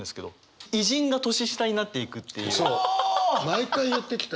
毎回言ってきた。